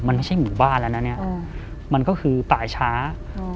มันไม่ใช่หมู่บ้านแล้วนะเนี้ยอืมมันก็คือปลายช้าอืม